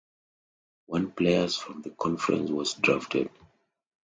One players from the conference was drafted.